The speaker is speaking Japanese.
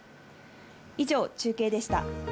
以上、中継でした。